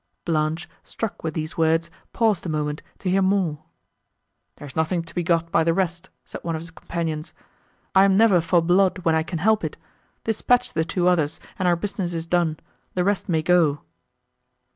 Blanche, struck with these words, paused a moment, to hear more. "There is nothing to be got by the rest," said one of his companions, "I am never for blood when I can help it—dispatch the two others, and our business is done; the rest may go."